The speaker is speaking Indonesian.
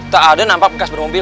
tak ada nampak bekas bermobil